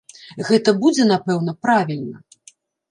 Гэта будзе, напэўна, правільна.